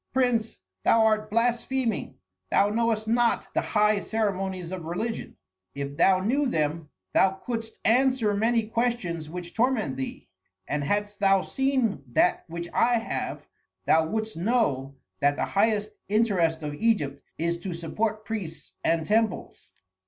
"Prince, thou art blaspheming, thou knowest not the high ceremonies of religion. If thou knew them thou couldst answer many questions which torment thee; and hadst thou seen that which I have, thou wouldst know that the highest interest of Egypt is to support priests and temples."